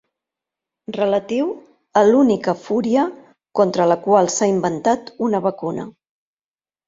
Relatiu a l'única fúria contra la qual s'ha inventat una vacuna.